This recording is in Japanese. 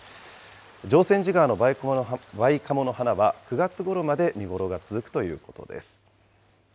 常泉寺川のバイカモの花は９月ごろまで見頃が続くということです。